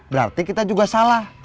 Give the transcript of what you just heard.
berarti kita juga salah